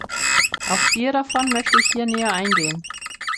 Auf vier davon möchte ich hier näher eingehen.